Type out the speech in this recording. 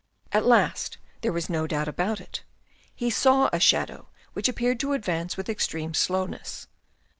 At last there was no doubt about it. He saw a shadow which appeared to advance with extreme slowness.